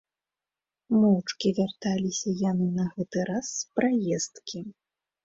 Моўчкі вярталіся яны на гэты раз з праездкі.